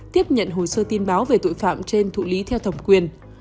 tiếp nhận hồ sơ tin báo về tội phạm trên thụ lý theo thẩm quyền